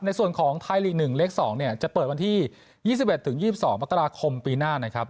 ในส่วนของไทยลีก๑เลข๒เนี่ยจะเปิดวันที่๒๑๒๒มกราคมปีหน้านะครับ